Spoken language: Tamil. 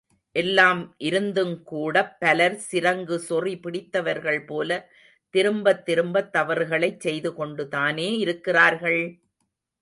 எல்லாம் இருந்தும்கூடப் பலர் சிரங்குசொறி பிடித்தவர்கள்போல திரும்பத் திரும்பத் தவறுகளைச் செய்து கொண்டுதானே இருக்கிறார்கள்!